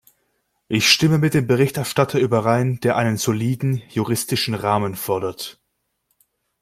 Ich stimme mit dem Berichterstatter überein, der einen soliden, juristischen Rahmen fordert.